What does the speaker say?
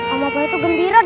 om apoi tuh gembira